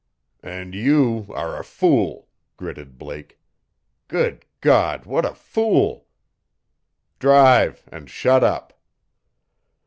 "And you are a fool!" gritted Blake. "Good God, what a fool!" "Drive and shut up!"